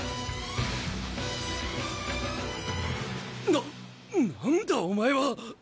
な何だお前は！